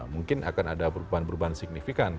mungkin akan ada perubahan perubahan signifikan